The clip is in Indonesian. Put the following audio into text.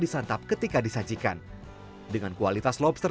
disantap ketika disajikan dengan kualitas lobster